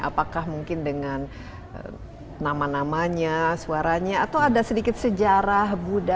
apakah mungkin dengan nama namanya suaranya atau ada sedikit sejarah budaya